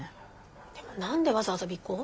でも何でわざわざ尾行？